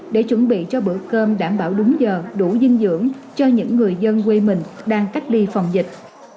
để chuẩn bị cho bữa cơm đảm bảo đúng giờ đủ dinh dưỡng cho những người dân quê mình đang cách ly phòng dịch